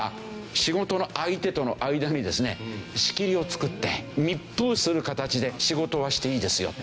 仕事の相手との間にですね仕切りを作って密封する形で仕事はしていいですよと。